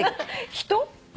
人？